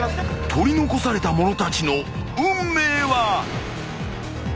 ［取り残された者たちの運命は］